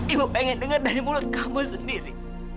ibu pengen dengar dari mulut kamu sendiri